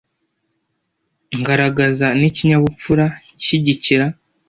ngaragaza n’ ikinyabupfura nshyigikira